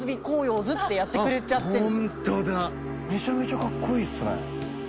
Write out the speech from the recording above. めちゃめちゃかっこいいっすね。